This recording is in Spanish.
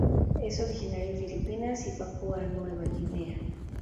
Es originario de Filipinas y Papua Nueva Guinea.